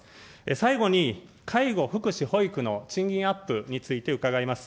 最後に介護・福祉・保育の賃金アップについて伺います。